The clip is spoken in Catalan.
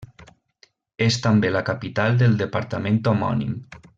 És també la capital del departament homònim.